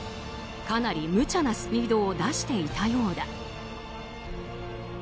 かなり無茶なスピードを出していたようだ。